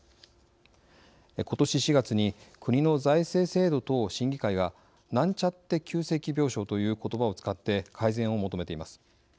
ことし４月に国の財政制度等審議会がなんちゃって急性期病床という言葉を使って改善を求めています。